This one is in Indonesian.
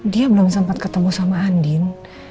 dia belum sempat ketemu sama andin